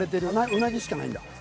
うなぎしかないんだ。